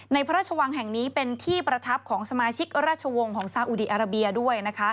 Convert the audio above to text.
พระราชวังแห่งนี้เป็นที่ประทับของสมาชิกราชวงศ์ของซาอุดีอาราเบียด้วย